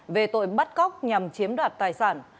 về tội bắt cóc nhằm chiếm đoạt tài sản